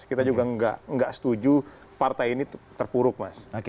kita juga nggak setuju partai ini terpuruk mas